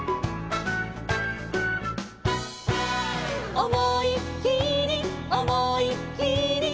「おもいっきりおもいっきり」